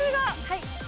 はい。